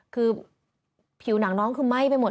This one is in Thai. คือผิวหนังน้องคือไหม้ไปหมด